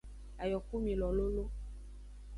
Ayokumilo lolo.